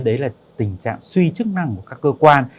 đấy là tình trạng suy chức năng của các cơ quan